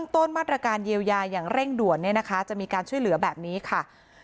ต้นมาตรการเยียวยาอย่างเร่งด่วนจะมีการช่วยเหลือแบบนี้ค่ะ